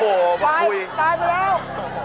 โอ้โฮมาคุยตายไปแล้ว